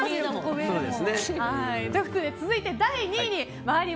続いて、第２位です。